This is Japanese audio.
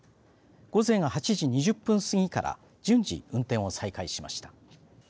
午前８時２０分過ぎから順次運転を再開しました。